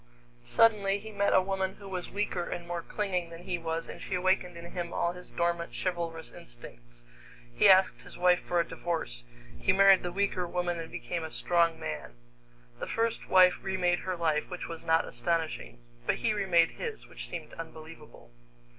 Suddenly he met a woman who was weaker and more clinging than he was, and she awakened in him all his dormant chivalrous instincts. He asked his wife for a divorce. He married the weaker woman and became a strong man. The first wife remade her life, which was not astonishing; but he remade his, which seemed unbelievable.